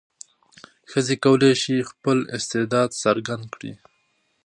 ښځې کولای شي خپل استعداد څرګند کړي.